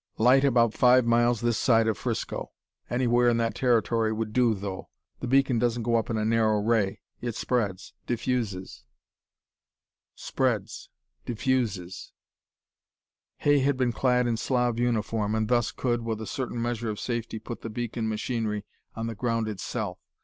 "Light about five miles this side of Frisco. Anywhere in that territory would do, though. The beacon doesn't go up in a narrow ray; it spreads, diffuses." Spreads, diffuses. Hay had been clad in Slav uniform, and thus could, with a certain measure of safety, put the beacon machinery on the ground itself.